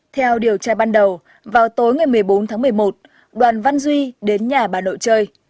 theo điều tra ban đầu vào tối ngày một mươi bốn tháng một mươi một đoàn văn duy đến nhà bà nội chơi